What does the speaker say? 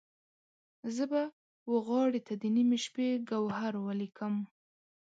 زه به وغاړې ته د نیمې شپې، ګوهر ولیکم